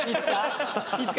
いつか。